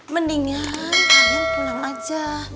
mendingan kalian pulang aja